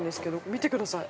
見てください。